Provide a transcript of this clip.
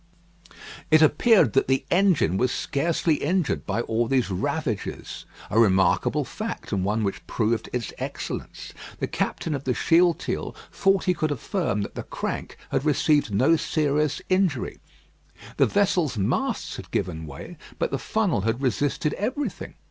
It appeared that the engine was scarcely injured by all these ravages a remarkable fact, and one which proved its excellence. The captain of the Shealtiel thought he could affirm that the crank had received no serious injury. The vessel's masts had given way, but the funnel had resisted everything.